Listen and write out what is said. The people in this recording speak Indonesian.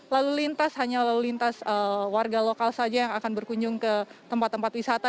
lalu lintas hanya lalu lintas warga lokal saja yang akan berkunjung ke tempat tempat wisata